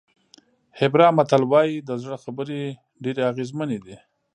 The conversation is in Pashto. هېبرا متل وایي د زړه خبرې ډېرې اغېزمنې دي.